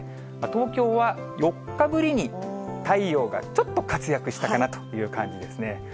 東京は４日ぶりに太陽がちょっと活躍したかなという感じですね。